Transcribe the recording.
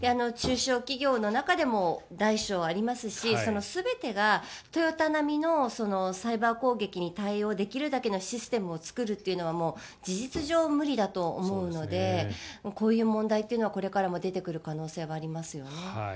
中小企業の中でも大小ありますし全てがトヨタ並みのサイバー攻撃に対応できるだけのシステムを作るというのは事実上無理だと思うのでこういう問題はこれからも出てくる可能性はありますよね。